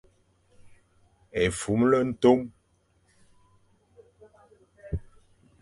Efumle ntom ;